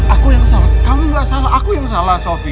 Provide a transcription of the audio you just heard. aku yang salah kamu gak salah aku yang salah sofi